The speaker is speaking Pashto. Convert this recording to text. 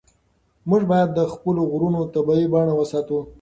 موږ باید د خپلو غرونو طبیعي بڼه وساتو.